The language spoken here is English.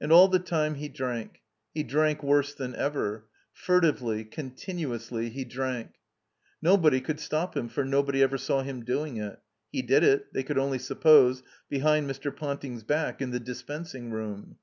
And all the time he drank; he drank worse than ever; furtively, continuously he drank. Nobody could stop him, for nobody ever saw him doing it. He did it, they could only suppose, behind Mr. Ponting's back in the dispensing room.